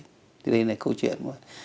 thì đây là câu chuyện